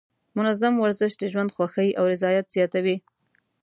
منظم ورزش د ژوند خوښۍ او رضایت زیاتوي.